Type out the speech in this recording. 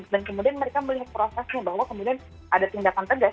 dan kemudian mereka melihat prosesnya bahwa kemudian ada tindakan tegas